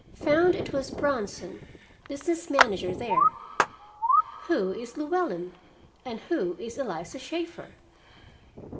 Found it was Bronson, business manager there. Who is Llewellyn, and who is Eliza Shaeffer?